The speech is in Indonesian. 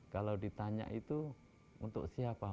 kalau ditanya itu untuk siapa